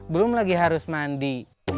belum lagi harus mandi